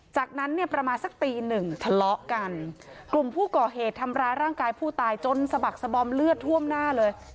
จากนั้นเนี่ยประมาณสักตีหนึ่งทะเลาะกันกลุ่มผู้ก่อเหตุทำร้ายร่างกายผู้ตายจนสะบักสะบอมเลือดท่วมหน้าเลย